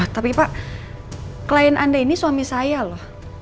tapi pak klien anda ini suami saya loh